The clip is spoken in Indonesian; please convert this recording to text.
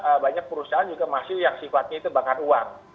karena banyak perusahaan juga masuk yang sifatnya itu bakar uang